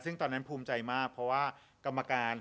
ซึ่งตอนนั้นภูมิใจมากเพราะว่า